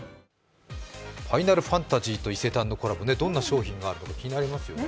「ファイナルファンタジー」と伊勢丹のコラボ、どんな商品があるのか気になりますね。